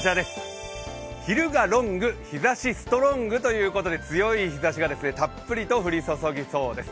昼がロング、日ざしストロングということで、強い日ざしがたっぷりと降り注ぎそうです。